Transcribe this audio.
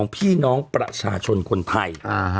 พี่น้องประชาชนคนไทย